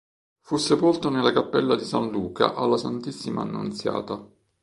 Fu sepolto nella cappella di San Luca alla Santissima Annunziata.